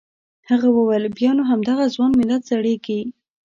هغه وویل بیا نو همدغه ځوان ملت زړیږي.